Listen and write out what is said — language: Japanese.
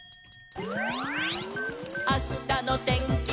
「あしたのてんきは」